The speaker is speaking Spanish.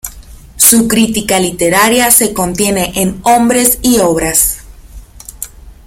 Su crítica literaria se contiene en "Hombres y obras".